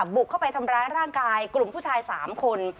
บุกเข้าไปทำร้ายร่างกายกลุ่มผู้ชาย๓คน